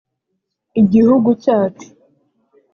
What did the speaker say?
igihugu cyacu